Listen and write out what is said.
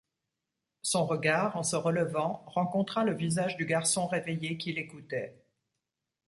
Son regard, en se relevant, rencontra le visage du garçon réveillé qui l’écoutait.